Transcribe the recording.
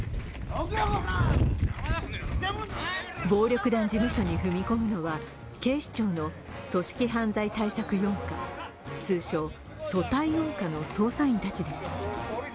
暴力団事務所に踏み込むのは警視庁の組織犯罪対策四課通称・組対四課の捜査員たちです。